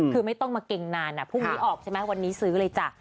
คือไม่ต้องมาเก่งนานพรุ่งนี้ออกใช่ไหมวันนี้ซื้อเลยจ้ะ